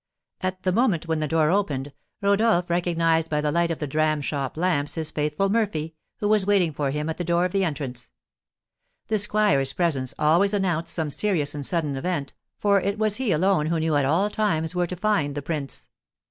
At the moment when the door opened, Rodolph recognised by the light of the dram shop lamps his faithful Murphy, who was waiting for him at the door of the entrance. The squire's presence always announced some serious and sudden event, for it was he alone who knew at all times where to find the prince.